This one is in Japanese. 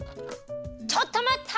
ちょっとまった！